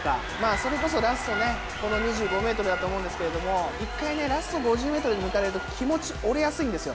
それこそラストね、この２５メートルだと思うんですけれども、一回ラスト５０メートルで抜かれると、気持ち折れやすいんですよ。